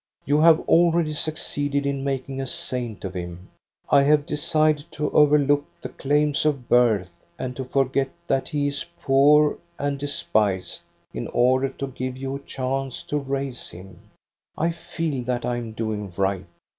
You have already succeeded in mak ing a saint of him. I have decided to overlook the claims of birth and to forget that he is poor and despised, in order to give you a chance to raise him. I feel that I am doing right.